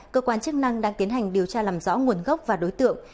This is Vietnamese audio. cơ quan chức năng đang tiến hành điều tra làm rõ nguồn gốc và đối tượng